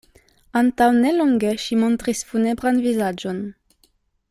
Antaŭ ne longe ŝi montris funebran vizaĝon.